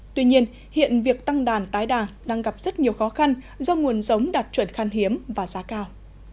tuy nhiên hiện việc tăng đàn tái đàn đang gặp rất nhiều khó khăn do nguồn giống đạt chuẩn khăn hiếm và giá cao